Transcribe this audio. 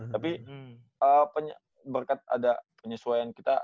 tapi berkat ada penyesuaian kita